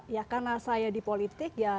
ya karena saya di politik ya